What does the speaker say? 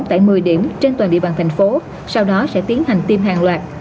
tại một mươi điểm trên toàn địa bàn thành phố sau đó sẽ tiến hành tiêm hàng loạt